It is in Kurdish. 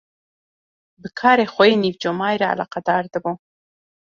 Bi karê xwe yê nîvcomayî re eleqedar dibû.